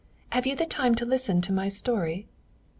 Have you the time to listen to my story?"